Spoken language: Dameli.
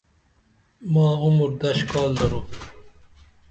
ماں عمر دش کال درو